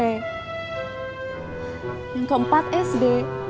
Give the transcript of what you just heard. yang keempat sd